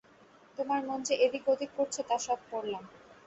তোমার মন যে এদিক ওদিক করছে, তা সব পড়লাম।